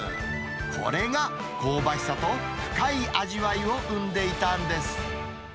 これが香ばしさと、深い味わいを生んでいたんです。